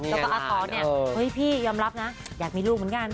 แล้วก็อาตอเนี่ยเฮ้ยพี่ยอมรับนะอยากมีลูกเหมือนกัน